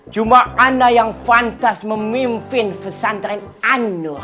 cuma anda yang fantas memimpin pesantren anur